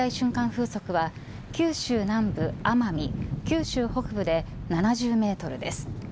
風速は九州南部、奄美九州北部で７０メートルです。